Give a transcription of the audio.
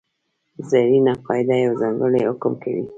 زرینه قاعده یو ځانګړی حکم کوي.